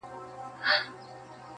مړ به سم مړى به مي ورك سي گراني .